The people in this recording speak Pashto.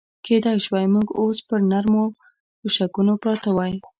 کېدای شوای موږ اوس پر نرمو تشکونو پراته وای.